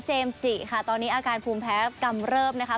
จิค่ะตอนนี้อาการภูมิแพ้กำเริบนะคะ